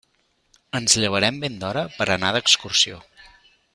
Ens llevarem ben d'hora per anar d'excursió.